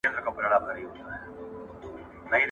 که زده کوونکي هدف ولري، بې لارې تګ نه کېږي.